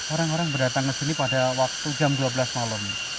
orang orang berdatang ke sini pada waktu jam dua belas malam